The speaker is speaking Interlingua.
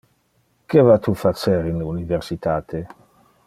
Que va tu facer in le universitate?